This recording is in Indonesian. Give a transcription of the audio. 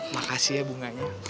makasih ya bunganya